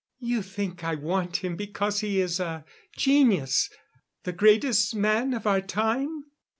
"You think I want him because he is a genius the greatest man of our time?"